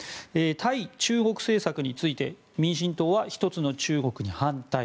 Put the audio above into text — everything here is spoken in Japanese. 対中国政策について民進党は、一つの中国に反対。